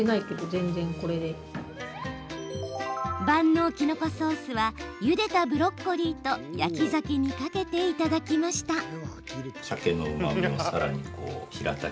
万能きのこソースはゆでたブロッコリーと焼きざけにかけていただきました。